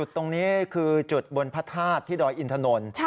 ตรงนี้คือจุดบนพระธาตุที่ดอยอินทนนท์